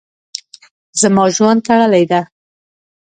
زما ژوند تړلی ده.